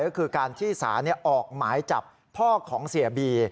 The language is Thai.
ก็คือการที่สาดับออกหมายจากภรรยาของเสพบี